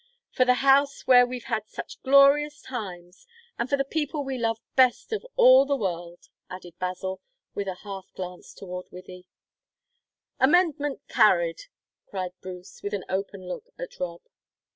"For the house where we've had such glorious times, and for the people we love best of all the world," added Basil, with a half glance toward Wythie. "Amendment carried!" cried Bruce, with an open look at Rob.